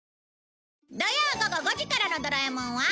土曜午後５時からの『ドラえもん』は